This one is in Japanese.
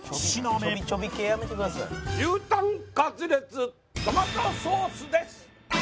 牛舌カツレツトマトソースです。